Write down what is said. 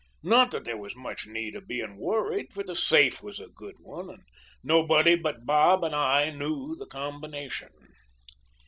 Not that there was much need of being worried, for the safe was a good one, and nobody but Bob and I knew the combination.